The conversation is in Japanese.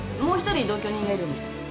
もう一人同居人がいるんですよ。